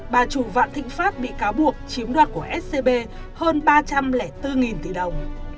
bà chủ vạn thịnh pháp bị cáo buộc chiếm đoạt của scb hơn ba trăm linh bốn tỷ đồng